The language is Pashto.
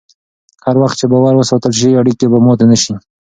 هر وخت چې باور وساتل شي، اړیکې به ماتې نه شي.